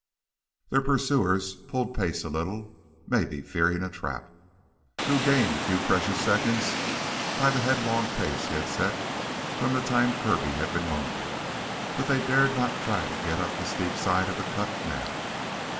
Their pursuers pulled pace a little, maybe fearing a trap. Drew gained a few precious seconds by the headlong pace he had set from the time Kirby had been wounded. But they dared not try to get up the steep sides of the cut now.